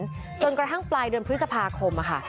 ให้ก่อน๘แสนจนกระทั่งปลายเดือนพฤษภาคมค่ะ